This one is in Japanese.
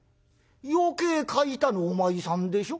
「余計欠いたのお前さんでしょ？